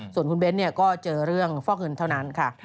ส่วนคุณเบ้นก็เจอเรื่องฟอกเงินเท่านั้นค่ะ